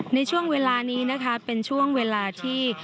ในช่วงเวลานี้นะคะเป็นช่วงเวลาที่